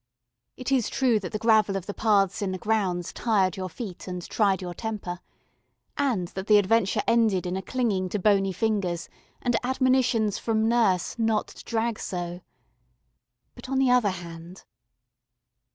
It is true that the gravel of the paths in the "grounds" tired your feet and tried your temper, and that the adventure ended in a clinging to bony fingers and admonitions from nurse "not to drag so." But on the other hand.